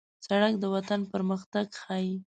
سړک د وطن پرمختګ ښيي.